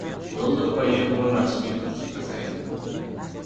Dollar va yevro rasmiy kursi pasaydi